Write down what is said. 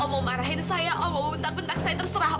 om mau marahin saya om mau bentak bentak saya terserah om